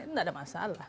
itu tidak ada masalah